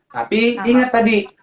tapi inget tadi